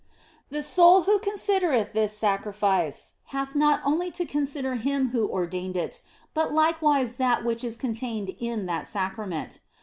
The soul who considereth this sacrifice hath not only to consider Him who ordained it, but likewise that which is contained in that Sacrament.